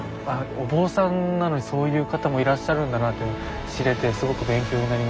お坊さんなのにそういう方もいらっしゃるんだなっていうのを知れてすごく勉強になりました。